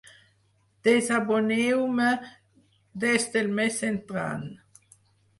Desaboneu-me des del mes entrant.